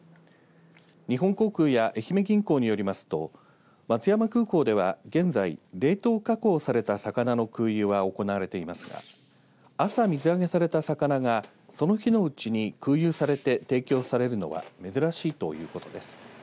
日本航空や愛媛銀行によりますと松山空港では現在冷凍加工された魚の空輸が行われていますが朝、水揚げされた魚がその日のうちに空輸されて提供されるのは珍しいということです。